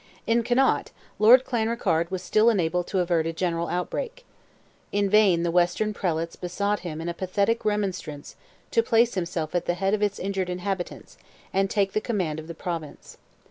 In Connaught, Lord Clanrickarde was still enabled to avert a general outbreak. In vain the western Prelates besought him in a pathetic remonstrance to place himself at the head of its injured inhabitants, and take the command of the Province.